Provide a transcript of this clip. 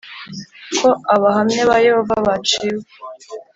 ko Abahamya ba Yehova baciwe